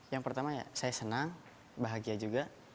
yang pertama ya saya senang bahagia juga